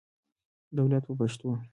دولت په پښتو.